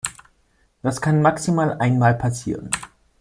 Das kann maximal einmal passieren.